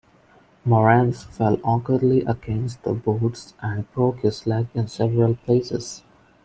Morenz fell awkwardly against the boards and broke his leg in several places.